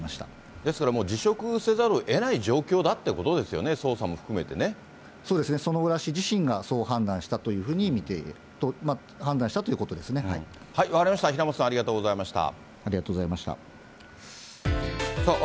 ですからもう辞職せざるをえない状況だってことですよね、捜そうですね、薗浦氏自身がそう判断したというふうに見ていると、分かりました、平本さん、あありがとうございました。